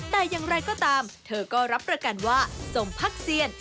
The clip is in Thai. แต่อย่างไรก็ตามเธอก็รับประกันว่าสมพักเซียน